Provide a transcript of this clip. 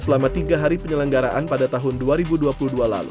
selama tiga hari penyelenggaraan pada tahun dua ribu dua puluh dua lalu